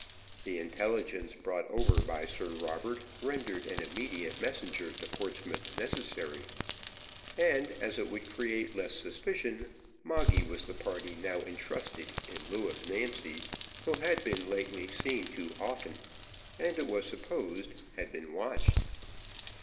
The intelligence brought over by Sir Robert rendered an immediate messenger to Portsmouth necessary, and, as it would create less suspicion, Moggy was the party now entrusted in lieu of Nancy, who had been lately seen too often, and, it was supposed, had been watched.